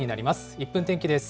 １分天気です。